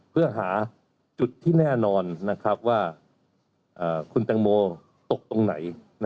เพื่อหาจุดที่แน่นอนว่าคุณแตงโมตกตรงไหน